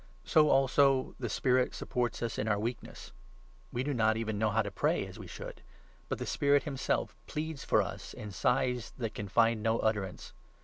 So, also, the Spirit supports us in our weakness. We do 26 not even know how to pray as we should ; but the Spirit himself pleads for us in sighs that can find no utterance.